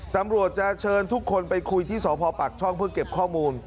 ตำรวจจะเชิญทุกคนไปคุยที่สพปักช่องเพื่อเก็บข้อมูล